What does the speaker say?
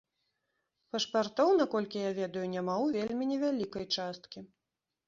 Пашпартоў, наколькі я ведаю, няма ў вельмі невялікай часткі.